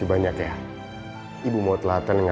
mama dia jatuh mah wrestle